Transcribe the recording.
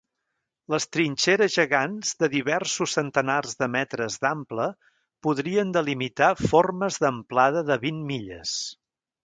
Les trinxeres gegants de diversos centenars de metres d'ample podrien delimitar formes d'amplada de vint milles.